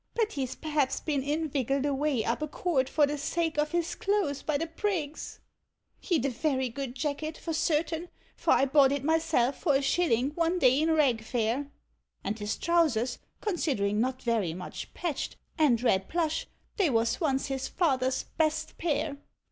but he's pVaps been inviggled away up a court for the sake of his clothes by the priggs; He 'd a very good jacket, for certain, for I bought it myself for a shilling one day in Rag Fair; And his trousers considering not very much patched, and red plush, they was once his Father's best pair.